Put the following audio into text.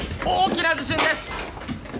大きな地震です。